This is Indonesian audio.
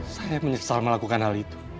saya menyesal melakukan hal itu